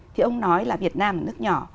thì ông nói là việt nam là nước nhỏ